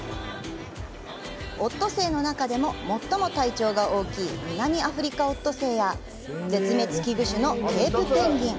オットセイの中でも最も体長が大きいミナミアフリカオットセイや絶滅危惧種のケープペンギン。